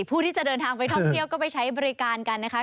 ผู้ที่จะเดินทางไปท่องเที่ยวก็ไปใช้บริการกันนะคะ